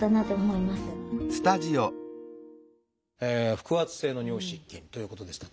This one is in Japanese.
腹圧性の尿失禁ということでしたけど